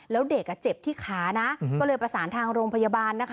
แล้วเด็กเจ็บที่ขานะก็เลยประสานทางโรงพยาบาลนะคะ